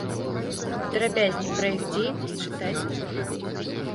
Падрабязней пра іх дзейнасць чытайце тут.